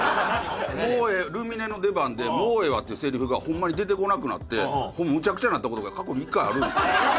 ルミネの出番で「もうええわ」ってセリフがホンマに出てこなくなってむちゃくちゃになった事が過去に１回あるんですよ。